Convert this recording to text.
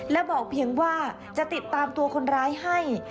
และบอกเพียงว่าจะติดตามตัวคนร้ายให้